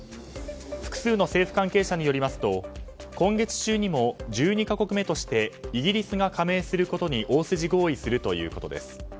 複数の政府関係者によりますと今月中にも１２か国目としてイギリスが加盟することに大筋合意するということです。